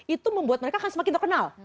itu membuat mereka akan semakin terkenal